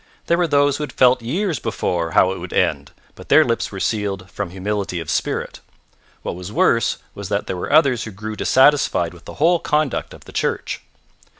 There were those who had felt years before how it would end, but their lips were sealed from humility of spirit. What was worse was that there were others who grew dissatisfied with the whole conduct of the church.